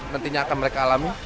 nantinya akan mereka alami